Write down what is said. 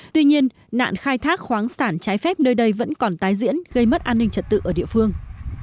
tuy nhiên nạn khai thác khoáng sản trái phép nơi đây vẫn còn tái diễn gây mất an ninh trật tự ở địa phương